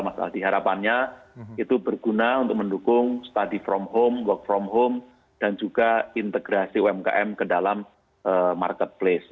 jadi harapannya itu berguna untuk mendukung study from home work from home dan juga integrasi umkm ke dalam marketplace